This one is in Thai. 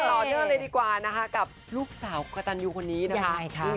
ต่อเนื่องเลยดีกว่านะคะกับลูกสาวกระตันยูคนนี้นะคะ